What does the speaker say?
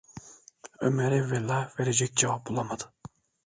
Ömer evvela verecek cevap bulamadı…